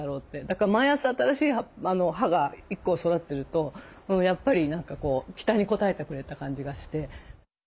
だから毎朝新しい葉が１個育ってるとやっぱり何かこう期待に応えてくれた感じがして。